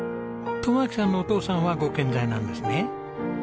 友晃さんのお父さんはご健在なんですね。